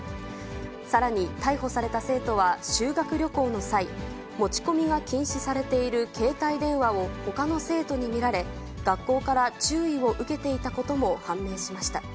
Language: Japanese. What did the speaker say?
さらに逮捕された生徒は修学旅行の際、持ち込みが禁止されている携帯電話をほかの生徒に見られ、学校から注意を受けていたことも判明しました。